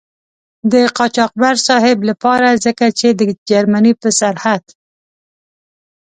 د قاچاقبر صاحب له پاره ځکه چې د جرمني په سرحد.